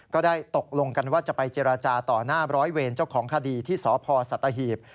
ก็ได้ตกลงกันว่าจะไปเจรจาต่อหน้าร้อยเวรเจ้าของคดีที่สพสัตหีบ